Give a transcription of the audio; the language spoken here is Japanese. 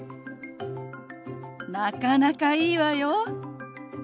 なかなかいいわよ。